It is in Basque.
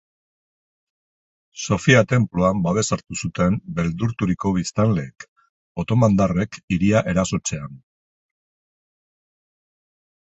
Sofia tenpluan babes hartu zuten beldurturiko biztanleek, otomandarrek hiria erasotzean.